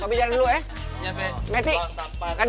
mbak be jalan dulu belanja